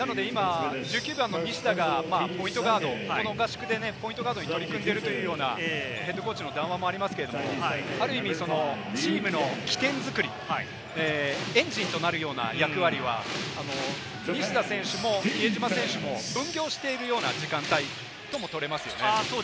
西田がポイントガードに取り組んでいるというようなＨＣの談話もありますけれども、ある意味、チームの起点作り、エンジンとなるような役割は西田選手も比江島選手も分業しているような時間帯とも取れますよね。